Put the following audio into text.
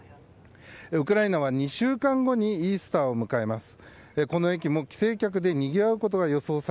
ウクライナは２週間後にイースターを迎えます。